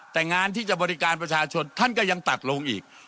แต่งานที่จะบริการประชาชนท่านก็ยังตัดลงอีก